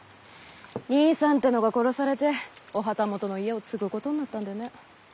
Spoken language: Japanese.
兄さんってのが殺されてお旗本の家を継ぐことになったんでね。